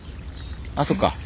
あそっか。